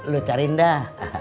lo cari enggak